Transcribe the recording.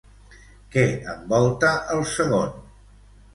Què envolta el segon?